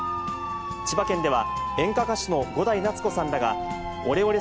千葉県では演歌歌手の伍代夏子さんらが、おれおれ